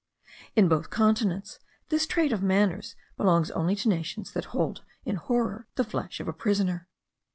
In both continents this trait of manners belongs only to nations that hold in horror the flesh of a prisoner.